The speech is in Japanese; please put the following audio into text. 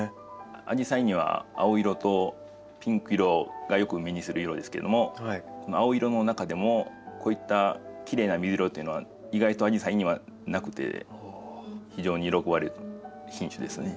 アジサイには青色とピンク色がよく目にする色ですけども青色の中でもこういったきれいな水色っていうのは意外とアジサイにはなくて非常に喜ばれる品種ですね。